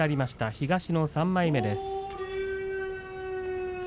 東の３枚目です。